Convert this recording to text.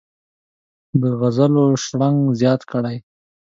د غزلو شرنګ زیات کړي.